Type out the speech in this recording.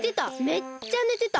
めっちゃねてた！